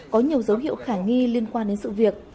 có nhiều dấu hiệu khả nghi liên quan đến sự việc